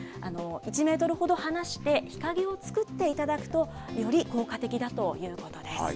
１メートルほど離して、日陰を作っていただくと、より効果的だということです。